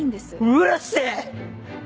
うるせぇ！